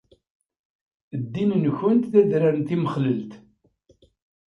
Ddin-nkent d adrar n timmexlelt.